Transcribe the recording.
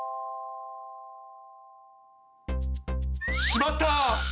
しまった！